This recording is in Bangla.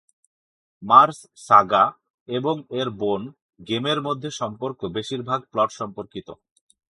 "মার্স সাগা" এবং এর বোন গেমের মধ্যে পার্থক্য বেশিরভাগ প্লট সম্পর্কিত।